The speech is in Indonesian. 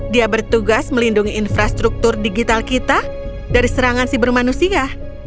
dia bertugas melindungi infrastruktur digital kita dari serangan siber manusia